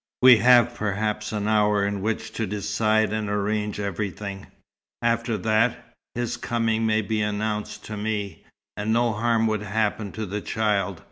We have perhaps an hour in which to decide and arrange everything. After that, his coming may be announced to me. And no harm would happen to the child.